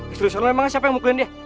istri lu emangnya siapa yang mukulin dia